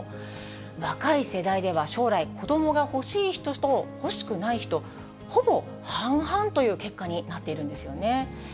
若い世代では将来、子どもが欲しい人と欲しくない人、ほぼ半々という結果になっているんですよね。